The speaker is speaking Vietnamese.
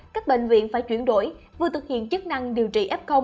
các bệnh viện phải chuyển đổi vừa thực hiện chức năng điều trị f